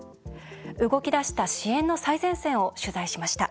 動き出した支援の最前線を取材しました。